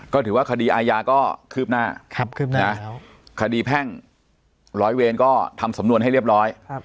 ก็ถือว่าคดีอาญาก็คืบหน้าคดีแพ่งร้อยเวรก็ทำสำนวนให้เรียบร้อย